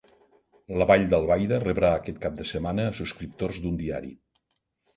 La Vall d'Albaida rebrà aquest cap de setmana a subscriptors d'un diari